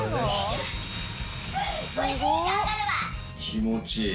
気持ちいい。